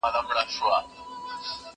زه اوس درسونه اورم؟!